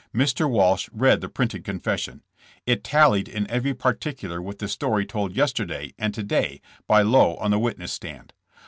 Mr. Walsh read the printed confession. It tallied in every particular with the story told yesterday and to day by Lowe on the witness stand.